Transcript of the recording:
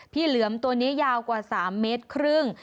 เหลือมตัวนี้ยาวกว่า๓เมตรครึ่ง